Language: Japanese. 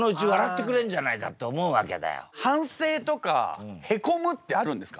反省とかへこむってあるんですか？